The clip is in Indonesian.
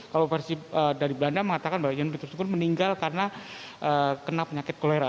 kalau versi dari belanda mengatakan bahwa jan pietersoenkoen meninggal karena kena penyakit kolera